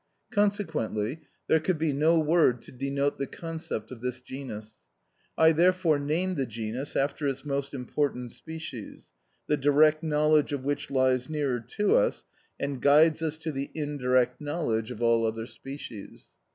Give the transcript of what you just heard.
Consequently there could be no word to denote the concept of this genus. I therefore name the genus after its most important species, the direct knowledge of which lies nearer to us and guides us to the indirect knowledge of all other species.